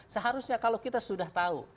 seharusnya kalau kita sudah tahu